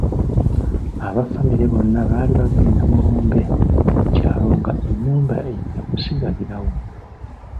Aba famire bonna baali bagenda mu lumbe mu kyalo nga ennyumba ejja kusigalirawo.